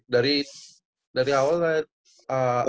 dari dari awal dari badung